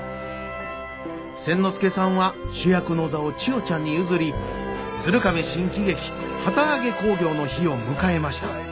千之助さんは主役の座を千代ちゃんに譲り鶴亀新喜劇旗揚げ興行の日を迎えました。